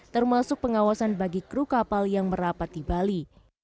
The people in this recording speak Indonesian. termasuk pengawasan bagi kru kapal yang merapat di bali